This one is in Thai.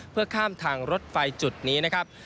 เพื่อข้ามทางรถไฟจุดนี้นะครับ